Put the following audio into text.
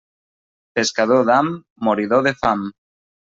Pescador d'ham, moridor de fam.